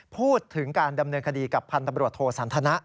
พูดถึงการดำเนินคดีกับพันธบรวจโทสันทนะ